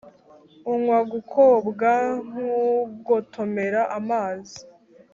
unywa gukobwa nk’ugotomera amazi’